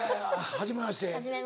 はじめまして。